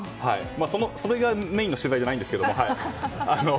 それがメインの取材じゃないですけど。